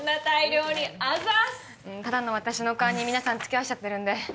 ただの私の勘に皆さん付き合わせちゃってるんで。